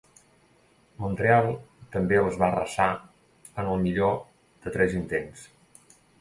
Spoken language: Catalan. Montreal també els va arrasar en el millor de tres intents.